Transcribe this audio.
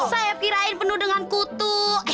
saya kirain penuh dengan kutu